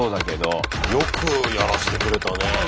よくやらせてくれたね。